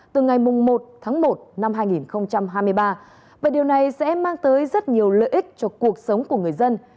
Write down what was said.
từ ngày một tháng một năm hai nghìn hai mươi ba và điều này sẽ mang tới rất nhiều lợi ích cho cuộc sống của người dân